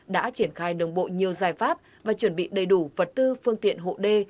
đã triển khai đồng bộ nhiều giải pháp và chuẩn bị đầy đủ vật tư phương tiện hộ đê